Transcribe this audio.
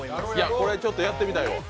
これちょっとやってみたいわ。